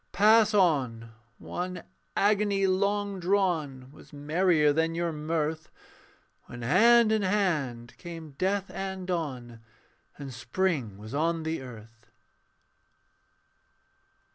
Pass on: one agony long drawn Was merrier than your mirth, When hand in hand came death and dawn, And spring was on the earth.